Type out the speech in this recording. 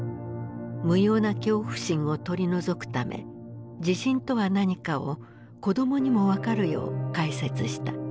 無用な恐怖心を取り除くため地震とは何かを子どもにも分かるよう解説した。